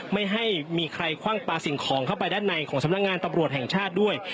ไม่ให้มีใครคว่างปลาสิ่งของเข้าไปด้านในของสำนักงานตำรวจแห่งชาติด้วย